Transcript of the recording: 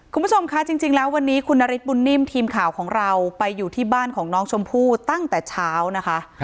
คุณผู้ชมคะจริงแล้ววันนี้คุณนฤทธบุญนิ่มทีมข่าวของเราไปอยู่ที่บ้านของน้องชมพู่ตั้งแต่เช้านะคะ